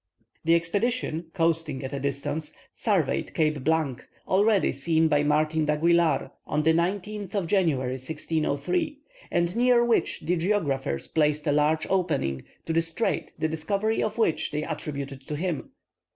The expedition, coasting at a distance, surveyed Cape Blanc, already seen by Martin d'Aguilar on the 19th of January, 1603, and near which the geographers placed a large opening, to the strait, the discovery of which they attributed to him.